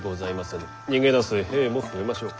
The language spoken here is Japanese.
逃げ出す兵も増えましょう。